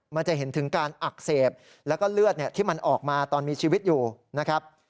มันจะเห็นถึงการอักเสบแล้วก็เลือดที่มันออกมาตอนมีชีวิตอยู่นะครับ